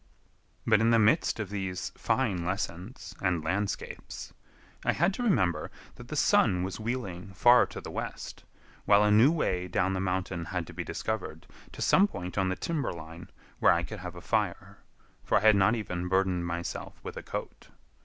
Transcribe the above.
But in the midst of these fine lessons and landscapes, I had to remember that the sun was wheeling far to the west, while a new way down the mountain had to be discovered to some point on the timber line where I could have a fire; for I had not even burdened myself with a coat.